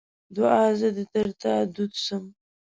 دوعا: زه دې تر تا دود سم.